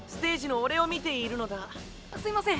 すいません。